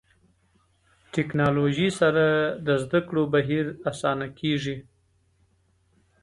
ټکنالوژي سره د زده کړو بهیر اسانه کېږي.